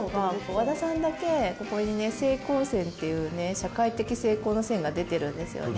和田さんだけここにね成功線っていうね社会的成功の線が出てるんですよね。